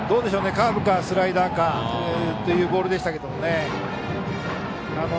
カーブか、スライダーかというボールでしたけどね。